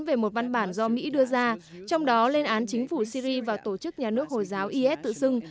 về một văn bản do mỹ đưa ra trong đó lên án chính phủ syri và tổ chức nhà nước hồi giáo is tự xưng